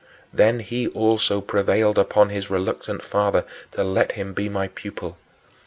Then he also prevailed upon his reluctant father to let him be my pupil.